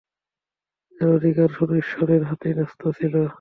যার অধিকার শুধু ঈশ্বরের হাতেই ন্যাস্ত ছিল।